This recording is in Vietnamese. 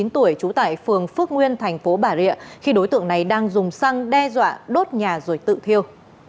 chín mươi tuổi trú tại phường phước nguyên thành phố bà rịa khi đối tượng này đang dùng xăng đe dọa đốt nhà rồi tự thiêu